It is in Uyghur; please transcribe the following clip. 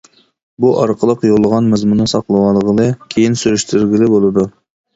بۇ ئارقىلىق يوللىغان مەزمۇننى ساقلىۋالغىلى، كېيىن سۈرۈشتۈرگىلى بولىدۇ.